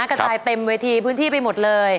กระจายเต็มเวทีพื้นที่ไปหมดเลย